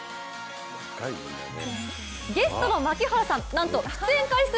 ゲストの槙原さん、なんと出演回数